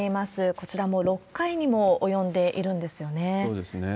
こちら、もう６回にも及んでいるんですよね。